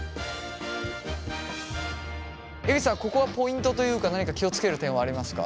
ここはポイントというか何か気を付ける点はありますか？